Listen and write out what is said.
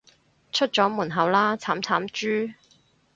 出咗門口喇，慘慘豬